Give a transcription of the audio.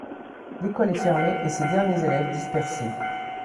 L'école est fermée et ses derniers élèves dispersés.